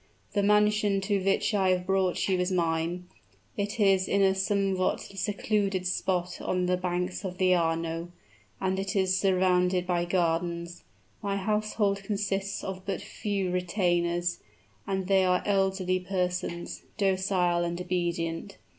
The mansion to which I have brought you is mine. It is in a somewhat secluded spot on the banks of the Arno, and is surrounded by gardens. My household consists of but few retainers; and they are elderly persons docile and obedient.